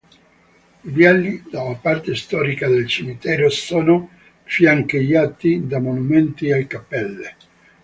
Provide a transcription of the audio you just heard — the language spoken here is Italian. I viali della parte storica del cimitero sono fiancheggiati da monumenti e cappelle.